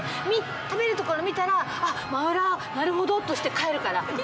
食べるところ見たらマヨラーなるほど！として帰るから。